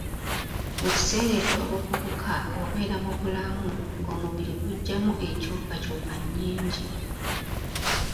Mu kiseera eky'obuvubuka obeera mu bulamu ng'omubiri gujjamu enkyukakyuka nnyingi.